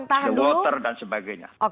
the water dan sebagainya